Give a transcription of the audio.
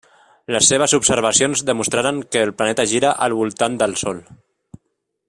Les seves observacions demostraren que el planeta gira al voltant del Sol.